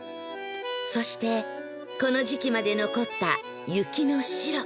そしてこの時期まで残った雪の白